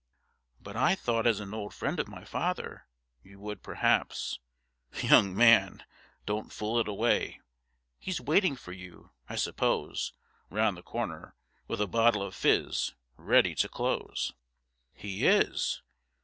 'But I thought as an old friend of my father you would, perhaps ' 'Young man, don't fool it away. He's waiting for you, I suppose, round the corner, with a bottle of fizz, ready to close.' 'He is.'